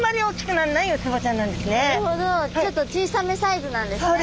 ちょっと小さめサイズなんですね。